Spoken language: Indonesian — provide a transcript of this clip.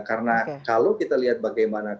karena kalau kita lihat bagaimana kemampuan orang